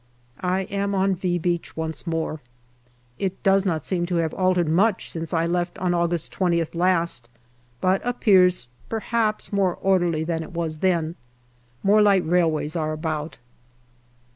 I am on " V " Beach once more. It does not seem to have altered much since I left on August 20th last, but appears perhaps more orderly than it was then. More light railways are about.